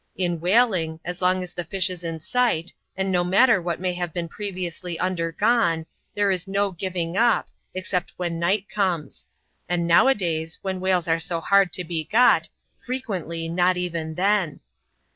In whaling, as long as the fish is in sight, and no matter what may have been previously undergone, there is no giving up, except when night comes ; and now a days, when whales are so hard to be got, frequently, not even then.